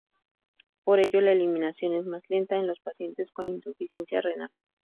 Por ello, la eliminación es más lenta en los pacientes con insuficiencia renal.